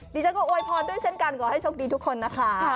ดิฉันก็อวยพรด้วยเช่นกันขอให้โชคดีทุกคนนะคะ